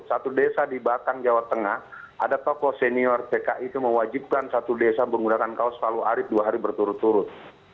satu desa di batang jawa tengah ada tokoh senior tki itu mewajibkan satu desa menggunakan kaos palu arit dua hari berturut turut